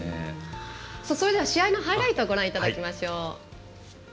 試合のハイライトご覧いただきましょう。